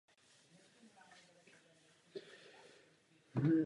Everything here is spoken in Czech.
Jedná se o nejstarší rozhlednu v Jeseníkách.